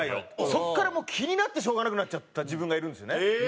そこからもう気になってしょうがなくなっちゃった自分がいるんですよね。